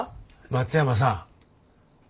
松山さん。